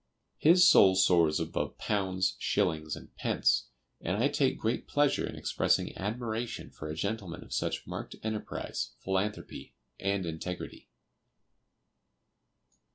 His soul soars above "pounds, shillings and pence"; and I take great pleasure in expressing admiration for a gentleman of such marked enterprise, philanthropy and integrity.